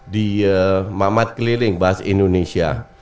di mamat keliling bahasa indonesia